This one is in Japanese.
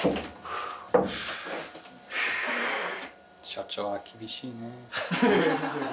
社長は厳しいね。